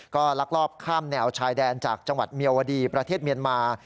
ก็ลักลอบข้ามแนวชายแดนจากจังหวัดเมียวดีประเทศเมียนมา